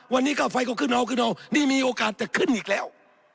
วันนี้ค่าไฟก็ขึ้นเอาขึ้นเอานี่มีโอกาสจะขึ้นอีกแล้ว